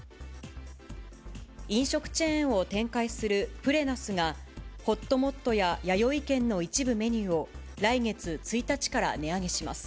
飲食チェーンを展開するプレナスが、ほっともっとや、やよい軒の一部メニューを、来月１日から値上げします。